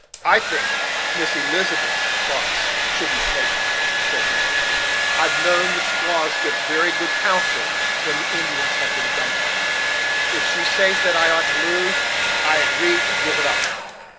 "I think Miss Elizabeth's thoughts should be taken," said Natty. "I've known the squaws give very good counsel when the Indians had been dumfounded. If she says that I ought to lose, I agree to give it up."